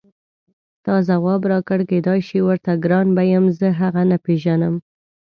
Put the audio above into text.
تا ځواب راکړ کېدای شي ورته ګران به یم زه هغه نه پېژنم.